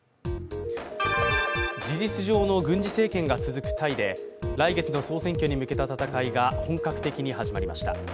事実上の軍事政権が続くタイで、来月の総選挙に向けた戦いが本格的に始まりました。